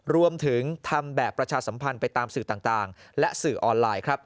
รวมถึงทำแบบประชาสัมพันธ์ไปตามสื่อต่างและสื่อออนไลน์ครับ